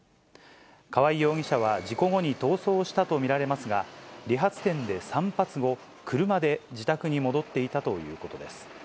川合容疑者は事故後に逃走したと見られますが、理髪店で散髪後、車で自宅に戻っていたということです。